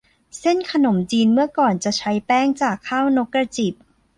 เส้นขนมจีนเมื่อก่อนจะใช้แป้งจากข้าวนกกระจิบ